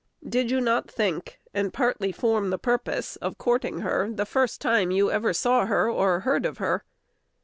Did you not think, and partly form the purpose, of courting her the first time you ever saw her or heard of her?